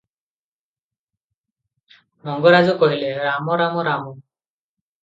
ମଙ୍ଗରାଜ କହିଲେ, "ରାମ ରାମ ରାମ ।